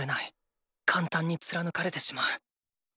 簡単に貫かれてしまう。